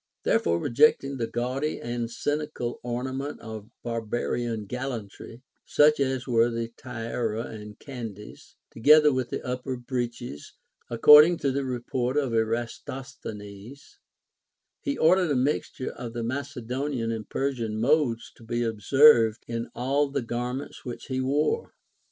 There fore rejecting the gaudy and scenical ornament of barba rian galhintry, such as were the tiara and candys, together with the upper breeches, according to the report of Eratos thenes, he ordered a mixture of the Macedonian and Per sian modes to be observed in all the garments which he wore.